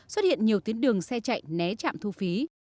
xuất hiện nhiều tuyến đường xe chạy né trạm thu phí